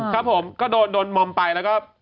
ครับผมก็โดนมอมไปแล้วก็